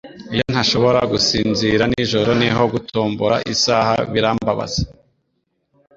Iyo ntashobora gusinzira nijoro niho gutombora isaha birambabaza